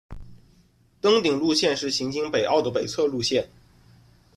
登顶路线是行经北坳的北侧路线。